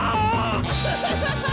アハハハハ！